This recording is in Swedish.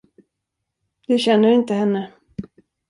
Du känner inte henne.